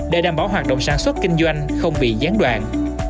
để đảm bảo hoạt động sản xuất kinh doanh không bị gián đoạn